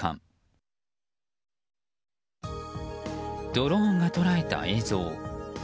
ドローンが捉えた映像。